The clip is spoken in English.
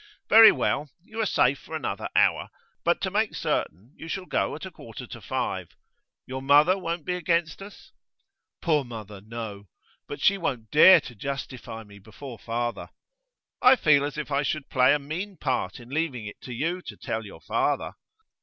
'Very well. You are safe for another hour, but to make certain you shall go at a quarter to five. Your mother won't be against us?' 'Poor mother no. But she won't dare to justify me before father.' 'I feel as if I should play a mean part in leaving it to you to tell your father.